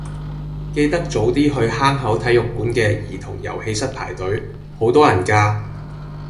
記得早啲去坑口體育館嘅兒童遊戲室排隊，好多人㗎。